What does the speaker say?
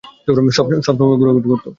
সব সময় ঘুরাঘুরি করতো।